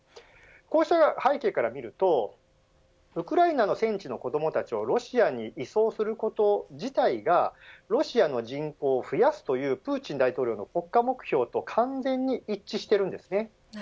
こうした背景から見るとウクライナの戦地の子どもたちをロシアに移送すること自体はロシアの人口を増やすというプーチン大統領の国家目標と完全に一致しているんですね。